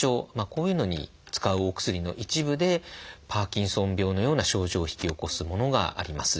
こういうのに使うお薬の一部でパーキンソン病のような症状を引き起こすものがあります。